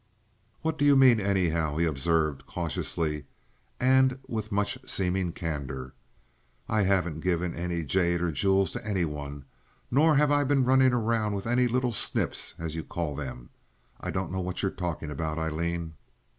"What do you mean, anyhow?" he observed, cautiously and with much seeming candor. "I haven't given any jade or jewels to any one, nor have I been running around with any 'little snips,' as you call them. I don't know what you are talking about, Aileen."